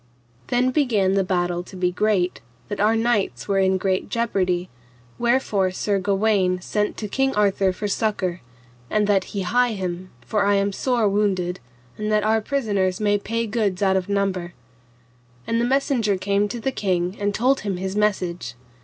Then began the battle to be great, that our knights were in great jeopardy, wherefore Sir Gawaine sent to King Arthur for succour, and that he hie him, for I am sore wounded, and that our prisoners may pay goods out of number. And the messenger came to the king and told him his message.